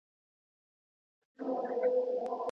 د کندهار انار ترش نه دي.